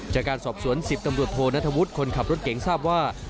จากการสอบสวน๑๐ตำรวจโทนัทวุฒิคนขับรถเก่งทราบว่า